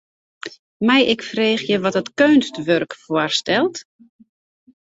Mei ik freegje wat dat keunstwurk foarstelt?